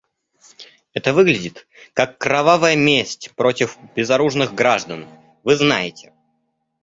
Это выглядит как кровавая месть против безоружных граждан, вы знаете.